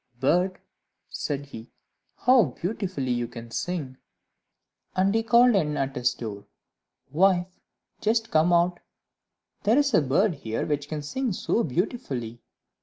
"Bird," said he, "how beautifully you can sing!" And he called in at his door, "Wife, just come out; there is a bird here which can sing so beautifully."